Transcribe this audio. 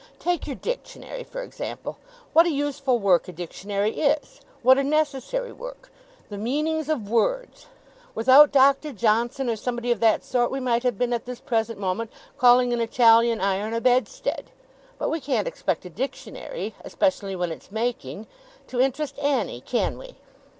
'Take your Dictionary, for example. What a useful work a Dictionary is! What a necessary work! The meanings of words! Without Doctor Johnson, or somebody of that sort, we might have been at this present moment calling an Italian iron, a bedstead. But we can't expect a Dictionary especially when it's making to interest Annie, can we?